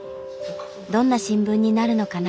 どんな新聞になるのかな。